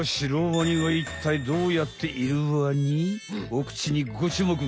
お口にご注目！